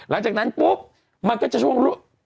หลังจากนั้นปุ๊บมันก็จะช่วง